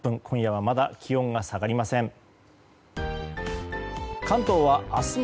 今夜はまだ気温が下がりません。